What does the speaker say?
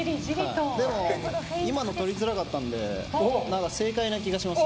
でも、今の取りづらかったので正解な気がします。